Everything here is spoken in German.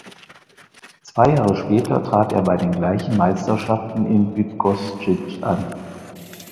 Zwei Jahre später trat er bei den gleichen Meisterschaften in Bydgoszcz an.